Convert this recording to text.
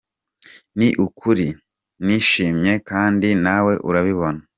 Ni ukuri nishimye kandi nawe urabibona.